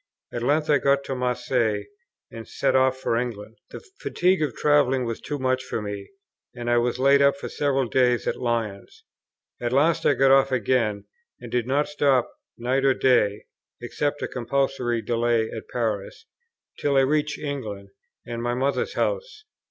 At length I got to Marseilles, and set off for England. The fatigue of travelling was too much for me, and I was laid up for several days at Lyons. At last I got off again, and did not stop night or day, (except a compulsory delay at Paris,) till I reached England, and my mother's house.